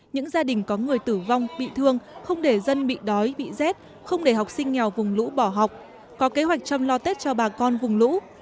những gia đình có người tử vong bị thương không để dân bị đói bị rét không để học sinh nghèo vùng lũ bỏ học có kế hoạch chăm lo tết cho bà con vùng lũ